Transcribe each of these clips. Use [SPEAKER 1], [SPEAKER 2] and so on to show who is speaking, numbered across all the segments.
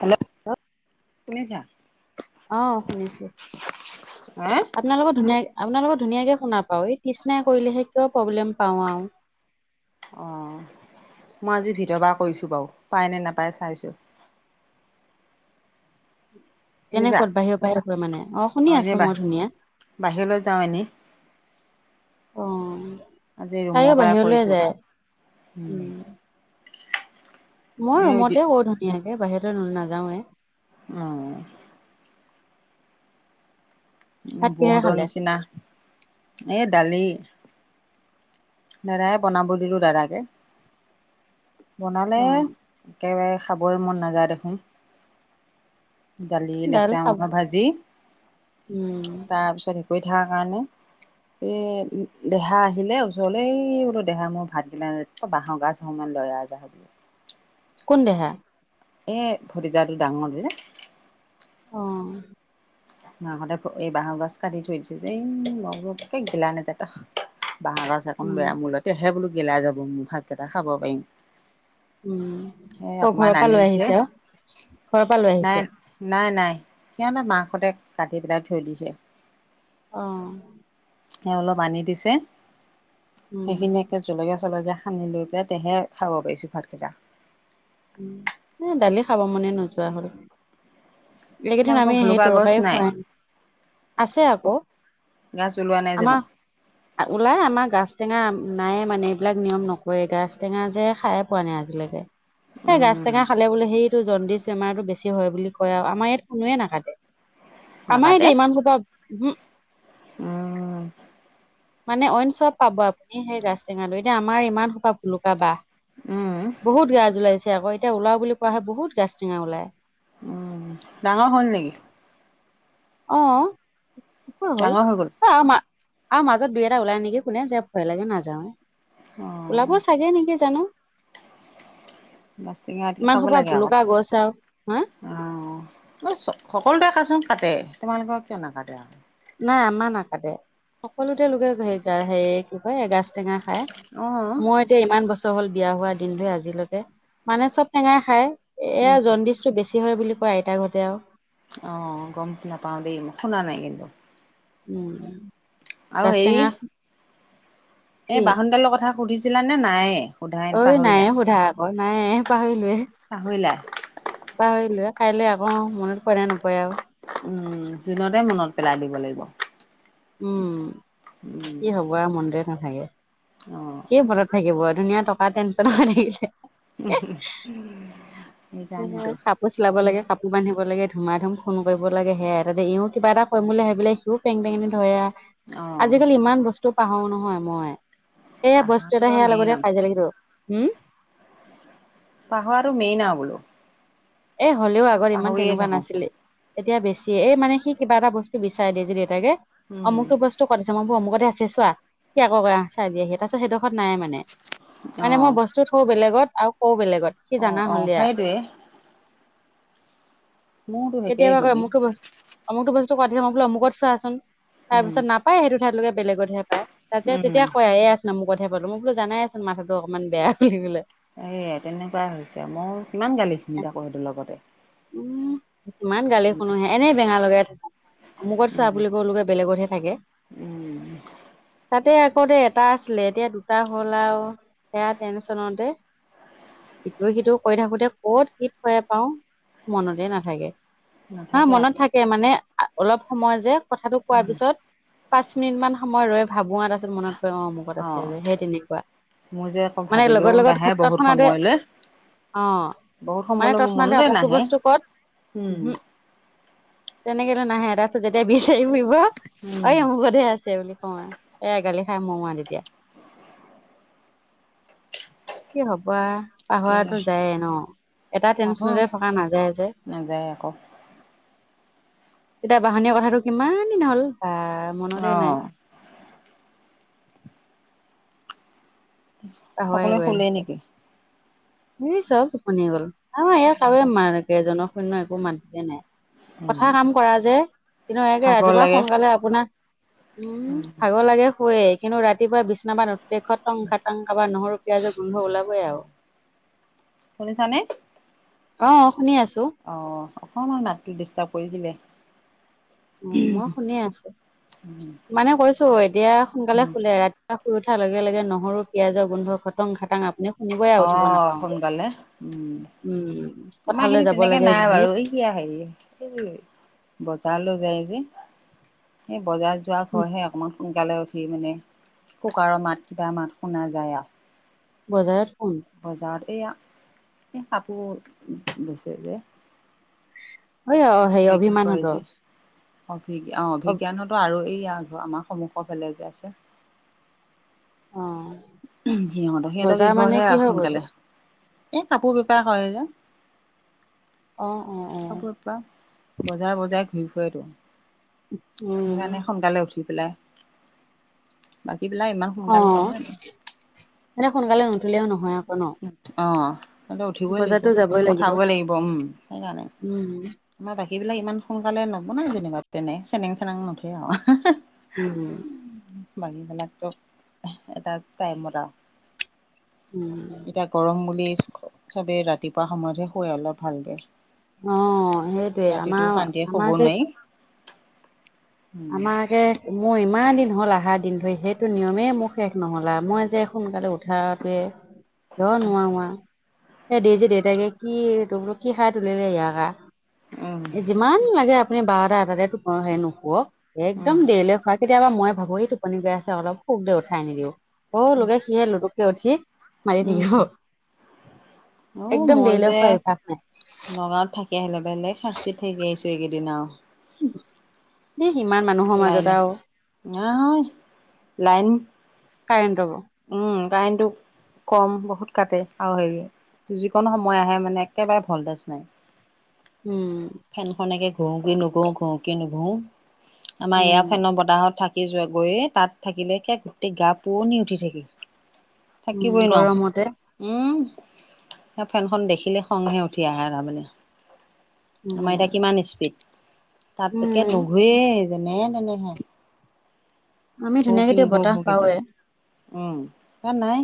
[SPEAKER 1] Hello শুনিছা?
[SPEAKER 2] অ', শুনিছোঁ।
[SPEAKER 1] হা
[SPEAKER 2] আপোনা লগত ধুনীয়া আপোনা লগত ধুনীয়াকে শুনা পাওঁ, এই কৃষ্ণাই কৰিলেহে কিয় প্ৰব্লেম পাওঁ আৰু।
[SPEAKER 1] অ',, মই আজি ভিতৰ পৰা কৰিছোঁ বাৰু পায় নে নাপায় চাইছোঁ।
[SPEAKER 2] এনে
[SPEAKER 1] শুনিছা
[SPEAKER 2] ক'ত বাহিৰ বাহিৰ হয় মানে অ', শুনি
[SPEAKER 1] এনেই
[SPEAKER 2] আছো
[SPEAKER 1] বাহ
[SPEAKER 2] মই ধুনীয়া।
[SPEAKER 1] বাহিৰলৈ যাওঁ এনেই
[SPEAKER 2] অ', উম
[SPEAKER 1] আজি ৰুমৰ
[SPEAKER 2] তাইও
[SPEAKER 1] পৰাই
[SPEAKER 2] বাহিৰলৈ
[SPEAKER 1] কৰিছোঁ
[SPEAKER 2] যায় উম।
[SPEAKER 1] এ
[SPEAKER 2] মই ৰুমতে কৰো ধুনীয়াকে বাহিৰতে ন নাযাওঁৱে।
[SPEAKER 1] অহ।
[SPEAKER 2] ভাত
[SPEAKER 1] উম
[SPEAKER 2] কিহেৰে
[SPEAKER 1] বৌহতৰ
[SPEAKER 2] খালে
[SPEAKER 1] নিচিনা এ দালি। দাদাই বনাব দিলো দাদাকে, বনালে
[SPEAKER 2] অ
[SPEAKER 1] একেবাৰে। খাবই মন নাযায় দেখোন। দালি,
[SPEAKER 2] দাইল
[SPEAKER 1] লেচেৰা
[SPEAKER 2] খাব
[SPEAKER 1] মাছৰ ভাজি।
[SPEAKER 2] উম
[SPEAKER 1] তাৰপিছত কৰি থকাৰ কাৰণে, এই দেহা আহিলে জলেই বোলো দেহা মোৰ ভাতগিলা না তই বাঁহৰ গাজ অকমান লৈ আহ যা।
[SPEAKER 2] কোন দেহা?
[SPEAKER 1] এই ভতিজাটো ডাঙৰটো যে।
[SPEAKER 2] অ'।
[SPEAKER 1] মাহঁতে প এই বাঁহৰ গছ কাটি থৈ দিছে যে, এই মই বোলো এক্কে গিলা নেযায় তাহ বাঁহৰ গাছ
[SPEAKER 2] উম
[SPEAKER 1] [unintelligible] মোৰলেকে বোলো গিলা যাব মোৰ ভাতকেইটা খাব পাৰিম।
[SPEAKER 2] উম
[SPEAKER 1] সেই
[SPEAKER 2] ক ঘৰৰ
[SPEAKER 1] অকমান
[SPEAKER 2] পৰা লৈ
[SPEAKER 1] আনিল যে,
[SPEAKER 2] আহিছে অ ঘৰৰ পৰা লৈ
[SPEAKER 1] নাই।
[SPEAKER 2] আহিছে
[SPEAKER 1] নাই, নাই, সিহঁতে মাকহঁতে কাটি পেলাই থৈ দিছে।
[SPEAKER 2] অ'।
[SPEAKER 1] অলপ আনি দিছে,
[SPEAKER 2] উম
[SPEAKER 1] সেইখিনিয়ে জলকীয়া চলকীয়া সানি লৈ পেলাই, তেহে খাব পাৰিছোঁ ভাতকেইটা।
[SPEAKER 2] এই দালি খাব মনেই নোযোৱা হ'ল। এইকেইদিন
[SPEAKER 1] তোমালোকৰ
[SPEAKER 2] আমি সেই
[SPEAKER 1] ভুলুকা গছ
[SPEAKER 2] তৰকাৰী
[SPEAKER 1] নাই
[SPEAKER 2] খুৱাই আছে আকৌ,
[SPEAKER 1] গাছ ওলোৱা নাই
[SPEAKER 2] আমাৰ
[SPEAKER 1] [inaudible]
[SPEAKER 2] ওলাই, আমাৰ গাাজ টেঙা নায়েই মানে, এইবিলাক নিয়ম নকৰে, গাজ টেঙা যে খায়েই পোৱা নাই আজিলৈকে। এই গাছ
[SPEAKER 1] উম
[SPEAKER 2] টেঙা খালে বোলে সেইটো জণ্ডিচ বেমাৰটো বেছি হয় বুলি কয় আৰু আমাৰ ইয়াত কোনোৱেই নাাকাটে। আমাৰ
[SPEAKER 1] নাকাটে
[SPEAKER 2] এতিয়া ইমান সোপা, উহো।
[SPEAKER 1] উম।
[SPEAKER 2] মানে অইন চব পাব আপুনি সেই গাছ টেঙাটো, এতিয়া আমাৰ ইমান সোপা ভলুকা বাহ
[SPEAKER 1] উম
[SPEAKER 2] বহুত গাজ ওলাইছে আকৌ, এতিয়া ওলাও বুলি কোৱা হয় বহুত গাজ টেঙা ওলায়।
[SPEAKER 1] উম, ডাঙৰ হ'ল নেকি?
[SPEAKER 2] অ', অ' হল
[SPEAKER 1] ডাঙৰ হৈ গ'ল
[SPEAKER 2] আৰু মাজত দুই এটা ওলাই নেকি শোনে যে ভয় লাগে নাযাও।
[SPEAKER 1] অ'।
[SPEAKER 2] ওলাব চাগে নেকি জানো।
[SPEAKER 1] বাছটিঙা এটি
[SPEAKER 2] ইমান
[SPEAKER 1] খাব
[SPEAKER 2] সপা
[SPEAKER 1] লাগে আকৌ
[SPEAKER 2] ভুলুকা গছ আৰু, হা
[SPEAKER 1] অ' বা চ-সকলোকে কাচোন কাটে তোমালোকৰ কিয় নাকাটে আৰু?
[SPEAKER 2] নাই আমাৰ নাকাটে। সকলোতে লোকে হে কি কয় এগাছ টেঙা খাই,
[SPEAKER 1] অ',
[SPEAKER 2] মই যে ইমান বছৰ হ'ল বিয়া হোৱা দিন ধৰে আজিলৈকে, মানে চব টেঙা খাই
[SPEAKER 1] উম,
[SPEAKER 2] এয়া জণ্ডিছ বেছি হয় বুলি কয় আইতাহঁতে আৰু।
[SPEAKER 1] অ' গ'ম নাপাওঁ দেই। মই শুনা নাই কিন্তু।
[SPEAKER 2] উম,
[SPEAKER 1] আৰু হেৰি
[SPEAKER 2] কাষ্টেঙা
[SPEAKER 1] এই বাহনডালৰ কথা সুধিছিলানে নায়ে?
[SPEAKER 2] ঐ নায়ে সোধা আকৌ, নাই পাহৰিলোয়ে।
[SPEAKER 1] পাহৰিলা?
[SPEAKER 2] পাহৰিলোঁ। কাইলৈ আকৌ মনত পৰে নপৰে আৰু
[SPEAKER 1] উম, দিনতে মনত পেলাই দিব লাগিব।
[SPEAKER 2] উম, কি হ'ব আৰু মনতে নাথাকে।
[SPEAKER 1] অ'।
[SPEAKER 2] কিয় মনত থাকিব ধুনীয়া টকাৰ টেনচ্যন হৈ থাকিলে।
[SPEAKER 1] [unintelligible]
[SPEAKER 2] কাপোৰ চিলাব লাগে কাপোৰ বান্ধিব লাগে, ধুমাই ধুম ফোন কৰিব লাগে হেয়া তাতে ইওঁ কিবা এটা কৰিম বুলি ভাবিলে সিও পেং পেঙেনি ধয়া
[SPEAKER 1] অ',
[SPEAKER 2] আজিকালি ইমান বস্তু পাহৰোঁ নহয় মই, সেয়া বস্তু
[SPEAKER 1] পাহৰাটো
[SPEAKER 2] এটা
[SPEAKER 1] আৰু
[SPEAKER 2] সেয়াৰ
[SPEAKER 1] মেইন
[SPEAKER 2] লগতে
[SPEAKER 1] আৰু
[SPEAKER 2] খাই যা লাগিব। হু?
[SPEAKER 1] পাহৰাটো মেইন আৰু বুলো।
[SPEAKER 2] এ, হ'লেও আগত ইমান তেনেকুৱা
[SPEAKER 1] থাকো
[SPEAKER 2] নাছিলে। এতিয়া বেছি, এই মানে সি কিবা এটা বস্তু বিচাৰে দে যে দেউতাকে,
[SPEAKER 1] উম,
[SPEAKER 2] অমুক' বস্তু টো ক'ত আছে মই অমুখতে আছে চোৱা, সি আকৌ কই আহ চাই দিয়াহি তাৰপিছত সেইডোখৰত নাই মানে। মানে মই
[SPEAKER 1] অ',
[SPEAKER 2] বস্তু থওঁ বেলেগত আৰু কৌও বেলেগত। সি জানা
[SPEAKER 1] অ', অ'
[SPEAKER 2] হ'লে আ
[SPEAKER 1] সেইটোৱেই। মোৰতো একেই
[SPEAKER 2] কেতিয়াবা কই
[SPEAKER 1] গতি
[SPEAKER 2] অমুকে বছ অমুকটো বস্তু ক'ত আছে, মই বুলো অমুকত চোৱাচোন
[SPEAKER 1] উম,
[SPEAKER 2] তাৰপিছত নাপায় সেইটো ঠাইলৈকে বেলেগতহে পায়। তাতে
[SPEAKER 1] উম
[SPEAKER 2] তেতিয়া কয় এই আছে অমুকতহে পালোঁ, মই কলোঁ জানাইচোন মাথাটো অকনমান বেয়া বুলি কলে।
[SPEAKER 1] এয়া তেনেকুৱাই হৈছে। মই কিমান গালি শুনি থাকোঁ সেইটোৰ লগতে।
[SPEAKER 2] উম কিমান গালি
[SPEAKER 1] উম
[SPEAKER 2] শুনো এনেই বেঙা লগাই থাকে। অমুকত চোৱা
[SPEAKER 1] উম
[SPEAKER 2] বুলি কওঁলোগে বেলেগতহে থাকে।
[SPEAKER 1] উম
[SPEAKER 2] তাতে আকৌ দে এটা আছিলে, এতিয়া দুটা হ'ল আৰু। সেয়া টেনচনতে ইটোয়ে সিটো কৈ থাকোতে ক'ত কি কৈয়ে পাওঁ মনতে নাথাকে। না
[SPEAKER 1] নাথাকে
[SPEAKER 2] মনত
[SPEAKER 1] আকৌ
[SPEAKER 2] থাক কে মানে অলপ সময় যে কথাটো কোৱাৰ
[SPEAKER 1] উম
[SPEAKER 2] পিছত পাঁচ মিনিট মান সময় ৰৈ ভাবোঁ তাৰপিছত মনত পৰে অ' অমুখত আছে যে সেই তেনেকুৱা।
[SPEAKER 1] মই যে আকৌ
[SPEAKER 2] মানে
[SPEAKER 1] ভাবিলেও
[SPEAKER 2] লগত লগত
[SPEAKER 1] নাহে বহুত
[SPEAKER 2] তৎক্ষণাতে
[SPEAKER 1] সময়লৈ।
[SPEAKER 2] অ'
[SPEAKER 1] বহুত
[SPEAKER 2] মানে
[SPEAKER 1] সময়লৈ মোৰ
[SPEAKER 2] তচমা দে
[SPEAKER 1] মনতে
[SPEAKER 2] অমুকটো
[SPEAKER 1] নাহে
[SPEAKER 2] বস্তু ক'ত?
[SPEAKER 1] উম
[SPEAKER 2] উহু তেনেকেতো নাহে তাৰপিছত যেতিয়া বিচাৰি ফুৰিব
[SPEAKER 1] উম
[SPEAKER 2] অ' অমুখতে আছে বুলি কওঁ এ, গালি খাই মমোৱা তেতিয়া। কি হ'বা পাহৰাটো যায়ে ন'। এটা
[SPEAKER 1] আকৌ
[SPEAKER 2] টেনচনতে থকা নাযায় যে।
[SPEAKER 1] নাযায় আকৌ
[SPEAKER 2] এতিয়া বাহনীয়া কথাটো কিমান দিন হ'ল বা মনতে
[SPEAKER 1] অ
[SPEAKER 2] নাই। পাহৰাই
[SPEAKER 1] সকলোৱে
[SPEAKER 2] গৈ
[SPEAKER 1] শুলেই
[SPEAKER 2] আছে
[SPEAKER 1] নেকি?
[SPEAKER 2] এই চব টোপনি গল আৰু ইয়াক কাৰো জনসৈন্য একো মাতিকে নাই
[SPEAKER 1] উম
[SPEAKER 2] কথা কাম কৰা যে কিন্তু একে
[SPEAKER 1] ভাগৰ
[SPEAKER 2] ৰাতিপুৱা
[SPEAKER 1] লাগে
[SPEAKER 2] সোনকালে আপোনাক উম ভাগৰ লাগে শুৱে কিন্তু ৰাতিপুৱা বিচনাৰপৰা নতি দে টং খাটাং কাবাৰ নহৰু পিয়াজৰ গোন্ধ ওলাবই আৰু।
[SPEAKER 1] শুনিছানে?
[SPEAKER 2] অ' শুনি আছো।
[SPEAKER 1] অ' অকণমান মাতটো ডিষ্টাৰ্ব কৰিছিলে।
[SPEAKER 2] উম মই শুনি আছো।
[SPEAKER 1] উম।
[SPEAKER 2] মানে কৈছো এতিয়া সোনকালে
[SPEAKER 1] উম
[SPEAKER 2] শুলে ৰাতিপুৱা শুই উঠাৰ লগে লগে নহৰু পিয়ঁয়াজৰ গোন্ধ খুটং খাটাং আপুনি শুনিবই আৰু উঠিব
[SPEAKER 1] অ'
[SPEAKER 2] নাপাওঁতে
[SPEAKER 1] সোনকালে উম
[SPEAKER 2] উম
[SPEAKER 1] আমাৰ
[SPEAKER 2] পথাৰলৈ
[SPEAKER 1] খিনি
[SPEAKER 2] যাব
[SPEAKER 1] তেনেকে
[SPEAKER 2] লাগে
[SPEAKER 1] নাই
[SPEAKER 2] বুলিয়ে
[SPEAKER 1] বাৰু এই হেৰি বজাৰলৈ যায় যে এই বজাৰ যোৱা ঘৰহে অকণমান সোনকালে উঠি মানে কুকাৰৰ মাত কিবা মাত শুনা যায় আৰু।
[SPEAKER 2] বজাৰত কোন
[SPEAKER 1] বজাৰত এইয়া এই কাপোৰ বেছে যে
[SPEAKER 2] ঐয়া
[SPEAKER 1] কাপোৰ
[SPEAKER 2] সে
[SPEAKER 1] বিক্ৰী কৰে
[SPEAKER 2] অভিমানহঁতৰ।
[SPEAKER 1] যে অভি
[SPEAKER 2] অ
[SPEAKER 1] অভিজ্ঞানহঁতৰ আৰু এই আমাৰ সন্মুখৰ ফালে যে আছে।
[SPEAKER 2] অ'।
[SPEAKER 1] সিহঁতৰ সিহঁতৰ ঘৰহে আৰু সোনকালে
[SPEAKER 2] বজাৰ
[SPEAKER 1] এই কাপোৰ বেপাৰ কৰে যে
[SPEAKER 2] অ', অ', অ'।
[SPEAKER 1] ত বজাৰে বজাৰে ঘূৰি ফুৰেতো।
[SPEAKER 2] উম
[SPEAKER 1] সেইকাৰণে সোনকালে উঠি পেলাই বাকীবিলাক ইমান সোনকালে
[SPEAKER 2] অ'
[SPEAKER 1] নহয় আৰু
[SPEAKER 2] এনে সোনকালে নুঠিলেও নহয় ন' আকৌ।
[SPEAKER 1] অ' সিহতে উঠিবই লাগিব,
[SPEAKER 2] বজাৰতো যাবই
[SPEAKER 1] পঠাবই লাগিব উম সেইকাৰণে
[SPEAKER 2] উম।
[SPEAKER 1] আমাৰ বাকীবিলাক ইমান সোনকালে নব নাই যেনেকুৱা তেনে চেনেং চেনেং নুঠয়ে আৰু।
[SPEAKER 2] উম।
[SPEAKER 1] বাকীবিলাক চব এটা টাইমত আৰু
[SPEAKER 2] উম।
[SPEAKER 1] এতিয়া গৰম বুলি চবে ৰাতিপুৱা সময়তহে শুৱে অলপ ভালকে।
[SPEAKER 2] অ' সেইটোৱে
[SPEAKER 1] ৰাতিটো
[SPEAKER 2] আমাৰ
[SPEAKER 1] শান্তিয়ে
[SPEAKER 2] আমাৰ
[SPEAKER 1] শুব
[SPEAKER 2] যে
[SPEAKER 1] নোৱাৰি। উম,
[SPEAKER 2] আমাৰ একে মোৰ ইমান দিন হ'ল আহাৰ দিন ধৰি সেইটো নিয়মেই মোৰ শেষ নহ'ল আৰু মই যে সোনকালে উঠাটোৱে কিয় নোৱাৰো আৰু এ দেইজী দেউতাকে কি তোক বোলো কি খাই তুলিলে ইয়াক
[SPEAKER 1] উম,
[SPEAKER 2] এ যিমান লাগে আপুনি বাৰটা এটাতে টো সে নুশুৱক।
[SPEAKER 1] উম,
[SPEAKER 2] একদম দেৰিলৈ শুৱাই কেতিয়াবা মই ভাবো এই টোপনি গৈ আছে অলপ শুক দে উঠাই নিদিও অ' [unintelligible] উঠি [unintelligible]
[SPEAKER 1] উম।
[SPEAKER 2] একদম দেৰিলে
[SPEAKER 1] অ',
[SPEAKER 2] শুৱা
[SPEAKER 1] মই যে
[SPEAKER 2] অভ্যাস নাই।
[SPEAKER 1] নগাঁৱত থাকি আহিলো বেলেগ শাস্তি থাকি আহিছোঁ এইকেইদিন আৰু
[SPEAKER 2] এ সিমান মানুহৰ
[SPEAKER 1] লাইন
[SPEAKER 2] মাজত আৰু
[SPEAKER 1] নাই লাইন
[SPEAKER 2] কাৰেন টো
[SPEAKER 1] উম কাৰেণ্টো কম বহুত কাটে আৰু হেৰিয়ে যিকণ সময় আহে মানে একেবাৰে ভল্টেজ নাই। [inaudible]
[SPEAKER 2] উম।
[SPEAKER 1] ফেনখন একে ঘূৰো কি নুঘুৰো ঘূৰো কি নুঘুৰো আমাৰ এয়া
[SPEAKER 2] উম
[SPEAKER 1] ফেনৰ বতাহত থাকে। [unintelligible] যোৱা গৈয়ে তাত থাকিলে গোটেই গা পুৰণি উঠি থাকিল।
[SPEAKER 2] উম
[SPEAKER 1] থাকিবই ন
[SPEAKER 2] গৰমতে
[SPEAKER 1] উম স ফেনখন দেখিলে খঙহে উঠি আহে তাৰমানে। আমাৰ
[SPEAKER 2] উম
[SPEAKER 1] এতিয়া কিমান স্পীড তাত একে
[SPEAKER 2] উম
[SPEAKER 1] নুঘূয়েই যেনে তেনেহে।
[SPEAKER 2] আমি
[SPEAKER 1] শু
[SPEAKER 2] ধুনীয়াকে
[SPEAKER 1] কিনো
[SPEAKER 2] এতিয়া
[SPEAKER 1] ঘ
[SPEAKER 2] বতাহ
[SPEAKER 1] শু কিনো
[SPEAKER 2] পাওঁৱে
[SPEAKER 1] উম তাত নাই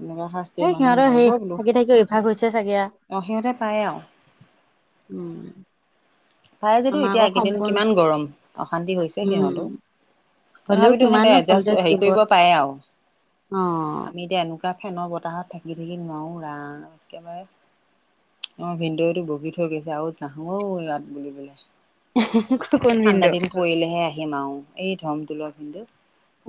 [SPEAKER 1] এনেকুৱা শ
[SPEAKER 2] এই সিহঁতৰ হে থাকি থাকি অভাস হৈছে চাগে।
[SPEAKER 1] অ সিহঁতে পায় আৰু
[SPEAKER 2] উম।
[SPEAKER 1] প্ৰায় যটো
[SPEAKER 2] আমাৰ
[SPEAKER 1] এতিয়া আ
[SPEAKER 2] আকৌ
[SPEAKER 1] এককেইদিন
[SPEAKER 2] সম্পূৰ্ণ
[SPEAKER 1] কিমান গৰম অশান্তি হৈছে
[SPEAKER 2] উম
[SPEAKER 1] সিহঁতো।
[SPEAKER 2] হ'লেও
[SPEAKER 1] তথাপিতো সিহঁতে
[SPEAKER 2] কিমাননো
[SPEAKER 1] এডজাষ্ট
[SPEAKER 2] ভল্টেজ
[SPEAKER 1] হেৰি
[SPEAKER 2] দিব
[SPEAKER 1] কৰিব পাৰে আৰু
[SPEAKER 2] অ
[SPEAKER 1] আমি এতিয়া এনেকুৱা ফেনৰ বতাহত থঢাকি থাকি নোৱাৰোঁ ৰাণ একেবাৰে অ' ভিনদৌতো বগি থৈ গৈছে আৰু নাহোও ইয়াত বুলিবলে।
[SPEAKER 2] কোন
[SPEAKER 1] একে ঠাণ্ডা
[SPEAKER 2] ভিনদেউ
[SPEAKER 1] দিন কৰিলেহে আহিম আৰু এই ধমটো লোৱা কিন্তু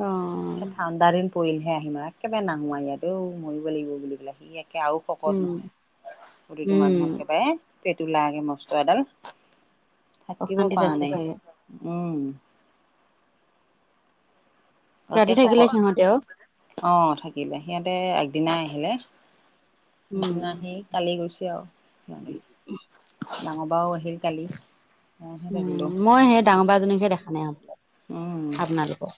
[SPEAKER 2] অ'।
[SPEAKER 1] ঠাণ্ডা দিন পৰিলহে আহিম আৰু একেবাৰে নাহোমোৱা ইয়াতেও মৰিব লাগিব বুলি ক'লে সি একে আৰু শকত
[SPEAKER 2] উম
[SPEAKER 1] নহয় প্ৰতিটো
[SPEAKER 2] উম
[SPEAKER 1] মানুহক একেবাৰে পেট ওলাগে মস্ত এডাল। থাকিব
[SPEAKER 2] অশান্তিত
[SPEAKER 1] পৰা
[SPEAKER 2] আছে
[SPEAKER 1] নাই
[SPEAKER 2] চাগে
[SPEAKER 1] উম।
[SPEAKER 2] ৰাতি
[SPEAKER 1] তেকল
[SPEAKER 2] থাকিলে সিহঁতে আৰু
[SPEAKER 1] আহ থাকিলে সিহঁতে আগদিনাই আহিলে। তি
[SPEAKER 2] উম
[SPEAKER 1] নাহি কালি গৈছোঁ আৰু সিহঁতে ডাঙৰ বাও আহিল কালি। মইহে
[SPEAKER 2] উম,
[SPEAKER 1] থাকিলোঁ
[SPEAKER 2] মই সেই ডাঙৰ বজনীকে দেখা নাই আ
[SPEAKER 1] উম
[SPEAKER 2] পাক। আপোনালোকৰ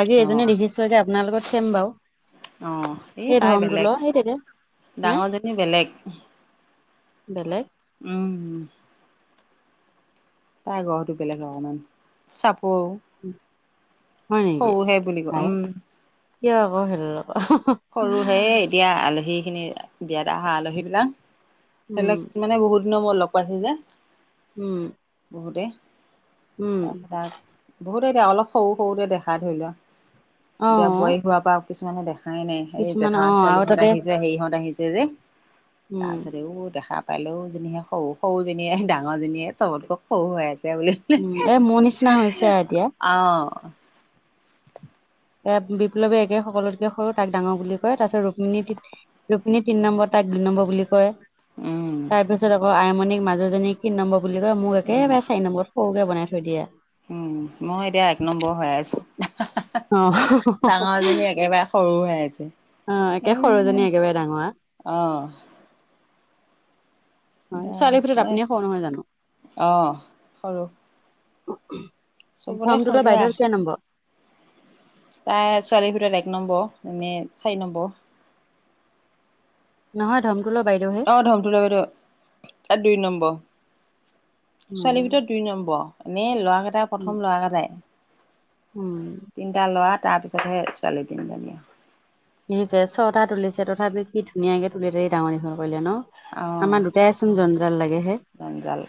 [SPEAKER 2] বাকী
[SPEAKER 1] অঁ
[SPEAKER 2] এজনী দেখিছোৱাকে আপোনালোকত চম বাৰু।
[SPEAKER 1] অ' এই তাই বেলেগ
[SPEAKER 2] ধৰমটোলৰ সেই থাকে হে
[SPEAKER 1] ডাঙৰজনী বেলেগ।
[SPEAKER 2] বেলেগ!
[SPEAKER 1] উম। তাৰ গ়টো বেলেগ অকণমান চাপৰ
[SPEAKER 2] হয় নেকি
[SPEAKER 1] সৰুহে বুলি কয় উম
[SPEAKER 2] কিয় আকৌ খেলক
[SPEAKER 1] সৰু সে এতিয়া আলহী খিনি বিয়া এ অহা আলহী বিলাক ধেইৰি
[SPEAKER 2] উম
[SPEAKER 1] লওক মানে বহুত দিনৰ মই লগ পাইছো যে।
[SPEAKER 2] উম।
[SPEAKER 1] বহুতেই
[SPEAKER 2] উম
[SPEAKER 1] তাৰপিছত আৰু বহুতে এতিয়া অলপ সৰু সৰুতে দেখা ধৰি লোৱা
[SPEAKER 2] অ
[SPEAKER 1] এতিয়া বোৱাৰী হোৱাৰ পৰা কিছুমানে দেখা দেখাই নাই এই
[SPEAKER 2] কিছুমান
[SPEAKER 1] জেঠা
[SPEAKER 2] অ আৰু
[SPEAKER 1] ছোৱালীহঁত
[SPEAKER 2] তাতে
[SPEAKER 1] আহিছে সেৰিহঁত আহিছে যে
[SPEAKER 2] উম
[SPEAKER 1] তাৰপিছত এই দেখা পালেও যেন সেই সৰু সৰুজনীয়ে ডাঙৰজনীয়ে চবতোকক সৰু হৈ আছে বুলি
[SPEAKER 2] উম এ মোৰ নিচিনা হৈছে আৰু এতিয়া।
[SPEAKER 1] অ'।
[SPEAKER 2] এ বিপ্লৱে একে সকলোতকে সৰু তাক ডাঙৰ বুলি কয় তাৰপিছত ৰুক্মিী তি ৰোপিনীয়ে তিনি নম্বৰ তাইক দুই নম্বৰ বুলি কয়।
[SPEAKER 1] উম
[SPEAKER 2] তাৰপিছত আকৌ আইমনিক মাজুজনীক কি নম্বৰ বুলি কয় মোক একে
[SPEAKER 1] উম
[SPEAKER 2] ব চাৰি নম্বৰ সৰুকৈ বনাই থৈ দিয়ে।
[SPEAKER 1] মই এতিয়া এক নম্বৰ হৈ আছোঁ।
[SPEAKER 2] অ
[SPEAKER 1] ডাঙৰজনী একেবাৰে সৰু হৈ আছে।
[SPEAKER 2] অ' একে সৰুজনী একেবাৰে ডাঙৰ।
[SPEAKER 1] অ'।
[SPEAKER 2] হয়
[SPEAKER 1] অঁ
[SPEAKER 2] ছোৱালীৰ ভিতৰত
[SPEAKER 1] এ
[SPEAKER 2] আপুনিে খব নহয় জানো?
[SPEAKER 1] অঁ সৰু চবতে
[SPEAKER 2] ফৰ্ম তোুলা
[SPEAKER 1] সৰুৱা
[SPEAKER 2] বাইদেউৰ কিয় নম্বৰ?
[SPEAKER 1] তাৰ ছোৱালী ভূটৰত এক নম্বৰ এনে চাৰি নম্বৰ।
[SPEAKER 2] নহয় ধমকুল বাইদেহে
[SPEAKER 1] ধমটো বাইদেউ দুই নম্বৰ
[SPEAKER 2] উম,
[SPEAKER 1] ছোৱালী ভিতৰত দুই নম্বৰ। এনে ল'ৰাৰাকেইটাই
[SPEAKER 2] উম।
[SPEAKER 1] প্ৰথম ল'ৰা কেইটাই।
[SPEAKER 2] উম।
[SPEAKER 1] তিনিটা ল'ৰা তাৰপিছতহে ছোৱালী তিনি জনি।
[SPEAKER 2] দেিছে ছটা তুলিছে তথাপিও কি ধুনীয়াকে তুলিৰি ডাঙৰ দঘ কৰিলে ন
[SPEAKER 1] অঁ
[SPEAKER 2] আমাৰ দুটাই জঞ্জাল লাগেহে
[SPEAKER 1] জঞ্জাল।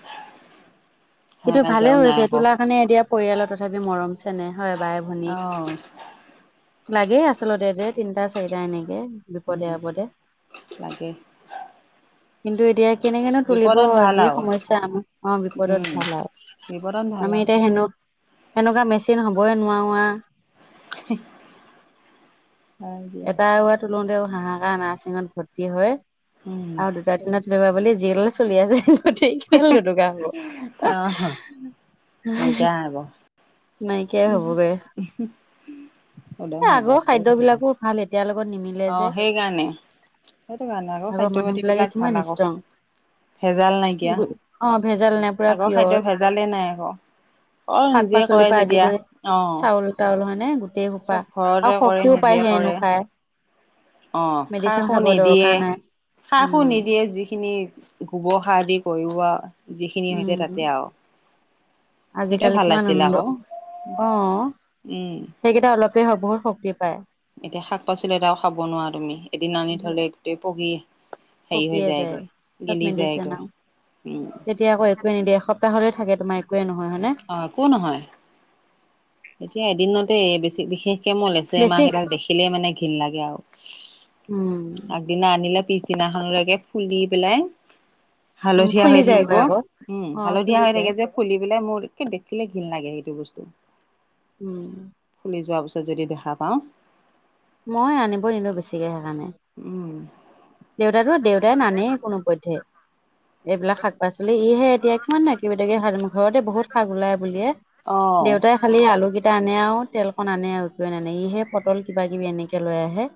[SPEAKER 1] হাই
[SPEAKER 2] কিন্তু
[SPEAKER 1] কাজিয়াও
[SPEAKER 2] ভালেই
[SPEAKER 1] নাই
[SPEAKER 2] হৈছে এইটো
[SPEAKER 1] আকৌ
[SPEAKER 2] ওলাৰ কাৰণে এতিয়া পৰিয়ালৰ তথাপি মৰম-চেনেহ হয় বাই-ভনী।
[SPEAKER 1] অ।
[SPEAKER 2] লাগে আচলতে দে তিনটা, চাৰিটা এনেকে।
[SPEAKER 1] উম
[SPEAKER 2] বিপদে-আপদে
[SPEAKER 1] লাগে
[SPEAKER 2] কিন্তু এতিয়া কেনেকেনো তুলিব
[SPEAKER 1] বিপদত ভাল
[SPEAKER 2] যিহে
[SPEAKER 1] আৰু
[SPEAKER 2] সমস্যা আমাৰ অ
[SPEAKER 1] উম
[SPEAKER 2] বিপদত ভাল আও।
[SPEAKER 1] বিপদত ভাল আও।
[SPEAKER 2] সেনেকুৱা মেচিন হ'বই নোৱাৰো আও।
[SPEAKER 1] [unintelligible]
[SPEAKER 2] এটা ল'ৰা তোলোতেও হাহাকাৰ নাৰছিঙত ভৰ্তি হয়
[SPEAKER 1] উম
[SPEAKER 2] আৰু দুটা তিনটা তুলি লৈ পিনি জেলহে চলি আছে। [unintelligible]
[SPEAKER 1] অঁ
[SPEAKER 2] দোকানবোৰ
[SPEAKER 1] নাইকিয়া হ'ব
[SPEAKER 2] নাইকিয়াই হ'বগে। খাদ্য বিলাকো
[SPEAKER 1] [unintelligible]
[SPEAKER 2] ভাল এতিয়াৰ লগত নিমিলে
[SPEAKER 1] অঁ
[SPEAKER 2] যে।
[SPEAKER 1] কাৰণে সেইটোকাৰণে আকৌ
[SPEAKER 2] আগৰ
[SPEAKER 1] খাদ্য
[SPEAKER 2] মানুহ
[SPEAKER 1] পাতি
[SPEAKER 2] বিলাকে
[SPEAKER 1] বিলাক
[SPEAKER 2] কিমান
[SPEAKER 1] ভাল আক।
[SPEAKER 2] ষ্ট্ৰং
[SPEAKER 1] ভেজাল নাইকিয়া
[SPEAKER 2] অ ভেজাল নাই পুৰা
[SPEAKER 1] আগৰ
[SPEAKER 2] পিয়ৰ
[SPEAKER 1] খাদ্য ভেজালেই নাই আক। অ
[SPEAKER 2] শাক
[SPEAKER 1] নিজে
[SPEAKER 2] পাচলিৰ
[SPEAKER 1] কৰে
[SPEAKER 2] পৰা আদি কৰি
[SPEAKER 1] যেতিয়া অ।
[SPEAKER 2] চাউল মানে গোটে শোপা আৰু শক্তিও
[SPEAKER 1] নিজে
[SPEAKER 2] পায় সেই
[SPEAKER 1] কৰে
[SPEAKER 2] অনুসাৰে।
[SPEAKER 1] অ
[SPEAKER 2] মেডিচিন
[SPEAKER 1] সাৰ-সুৰ
[SPEAKER 2] খাব
[SPEAKER 1] নিদিয়ে
[SPEAKER 2] দৰকাৰ নাই
[SPEAKER 1] সাৰ-সুৰ
[SPEAKER 2] উম
[SPEAKER 1] নিদিয়ে যিখিনি গোবৰ সাৰ দি কৰিব আৰু যিখিনি
[SPEAKER 2] উম
[SPEAKER 1] হৈছে তাতে আৰু। সেইটোৱে
[SPEAKER 2] আজিকালি
[SPEAKER 1] ভাল
[SPEAKER 2] কিমান
[SPEAKER 1] লাগিছিল
[SPEAKER 2] আনন্দ
[SPEAKER 1] আকৌ
[SPEAKER 2] অ।
[SPEAKER 1] উম
[SPEAKER 2] সেইকেইটা অলপেই হক বহুত শক্তি পায়।
[SPEAKER 1] এতিয়া শাক-পাচলি এটাও খাব নোৱাৰা তুমি এদিন আনি থলেই গোটেই পকি হেৰি হৈ
[SPEAKER 2] পকিয়ে যায়
[SPEAKER 1] যায়গৈ
[SPEAKER 2] চব
[SPEAKER 1] গেলি
[SPEAKER 2] মেডিচিন
[SPEAKER 1] যায়গৈ
[SPEAKER 2] আও
[SPEAKER 1] উম
[SPEAKER 2] তেতিয়া আক একোৱে নিদিয়ে এসপ্তাহলে থাকে তোমাৰ একোৱে নহয় হয়নে?
[SPEAKER 1] অ, একো নহয়। এতিয়া এদিনতে এই বেছি বিশেষ কে মোৰ লেচেৰা
[SPEAKER 2] বেছি
[SPEAKER 1] মাহ কেইডাল দেখিলেই মানে ঘৃণ লাগে আৰু।
[SPEAKER 2] উম
[SPEAKER 1] আগদিনা আনিলে পিছদিনাখনলেকে ফুলি পেলাই
[SPEAKER 2] উম
[SPEAKER 1] হালধীয়া হৈ
[SPEAKER 2] ফুলি
[SPEAKER 1] থাকিব
[SPEAKER 2] যায়গৈ আকৌ
[SPEAKER 1] উম
[SPEAKER 2] অ
[SPEAKER 1] হালধীয়া
[SPEAKER 2] ফুলি
[SPEAKER 1] হৈ থাকে
[SPEAKER 2] যায়
[SPEAKER 1] যে ফুলি পেলাই মোৰ একে দেখিলেই ঘিণ লাগে সেইটো বস্তু।
[SPEAKER 2] উম।
[SPEAKER 1] ফুলি যোৱাৰ পিছত যদি দেখা পাওঁ
[SPEAKER 2] মই আনিব নিদিও বেছিকে সেইকাৰণে।
[SPEAKER 1] উম।
[SPEAKER 2] দেউতাইটো দেউতাই নানেই কোনোপধ্যে। এইবিলাক শাক-পাচলি ইহে এতিয়া কিমান নো একেবিধকে খাই থাকিম ঘৰতে বহুত শাক ওলায় বুলিয়ে
[SPEAKER 1] অ
[SPEAKER 2] দেউতাই খালি আলু গিটা আনে আও তেলকন আনে আৰু একোয়ে ইহে পটল কিবা-কিবি এনেকে লৈ আহে।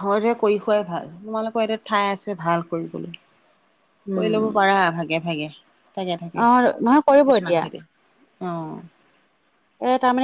[SPEAKER 1] ঘৰতে কৰি খোৱাই ভাল তোমালোকৰ এতিয়া ঠাই আছে ভাল কৰিবলে। কৰি ল'ব
[SPEAKER 2] উম
[SPEAKER 1] পাৰা ভাগে ভাগে। থাকে থাকে
[SPEAKER 2] অ নহয় কৰিব
[SPEAKER 1] কিছুমান
[SPEAKER 2] এতিয়া।
[SPEAKER 1] খেতি অ।
[SPEAKER 2] এ তাৰমানে